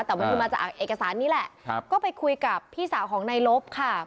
แต่มันคือมาจากเอกสารนี้แหละก็ไปคุยกับพี่สาวของนายลบค่ะ